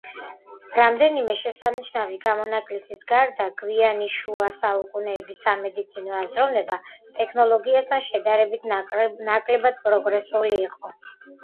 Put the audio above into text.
რამდენიმე შესანიშნავი გამონაკლისის გარდა, გვიანი შუა საუკუნეების სამეცნიერო აზროვნება ტექნოლოგიასთან შედარებით ნაკლებად პროგრესული იყო.